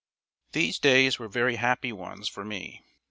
These days were very happy ones for me.